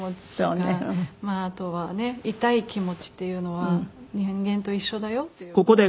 あとはね痛い気持ちっていうのは人間と一緒だよっていう事を。